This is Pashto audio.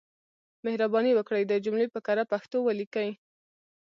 مهرباني وکړئ دا جملې په کره پښتو ليکئ.